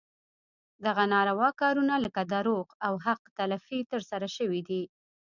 دغه ناروا کارونه لکه دروغ او حق تلفي ترسره شوي دي.